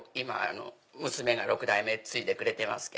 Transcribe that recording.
娘が６代目継いでくれてます。